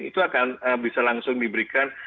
itu akan bisa langsung diberikan